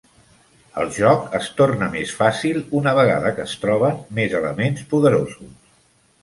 El joc es torna més fàcil una vegada que es troben més elements poderosos.